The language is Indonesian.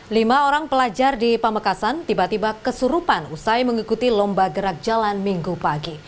lima orang pelajar di pamekasan tiba tiba kesurupan usai mengikuti lomba gerak jalan minggu pagi